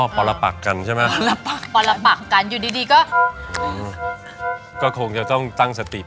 อ๋อปลับปากกันใช่ไหม